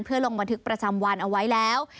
เพื่อลงบันทึกประจำวันเอาไว้แล้ว